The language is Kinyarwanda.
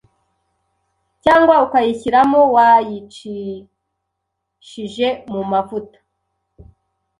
cyangwa ukayishyiramo wayicishije mumavuta